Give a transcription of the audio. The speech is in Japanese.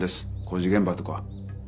工事現場とか。